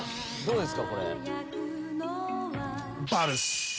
どうですか？